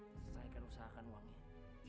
baik saya akan usahakan uangnya